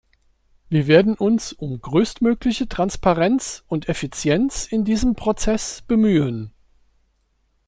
Wir werden uns um größtmögliche Transparenz und Effizienz in diesem Prozess bemühen.